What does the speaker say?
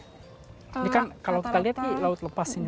ini kan kalau kita lihat ini laut lepas ini